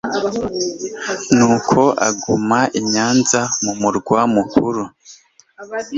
nuko aguma i nyanza mu murwa mukuru